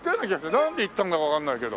なんで行ったんだかわからないけど。